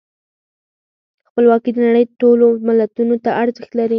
خپلواکي د نړۍ ټولو ملتونو ته ارزښت لري.